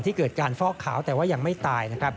ที่เกิดการฟอกขาวแต่ว่ายังไม่ตาย